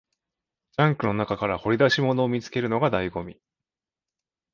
ジャンクの中から掘り出し物を見つけるのが醍醐味